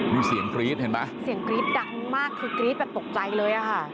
มีเสียงกรี๊ดเห็นไหมเสียงกรี๊ดดังมากคือกรี๊ดแบบตกใจเลยอะค่ะ